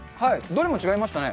どれも違いましたね。